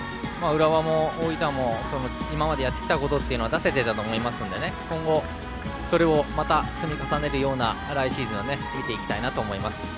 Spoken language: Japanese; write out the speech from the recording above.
浦和も大分も今までやってきたことを出せていたと思いますので今後、それをまた積み重ねるような来シーズンを見ていきたいなと思います。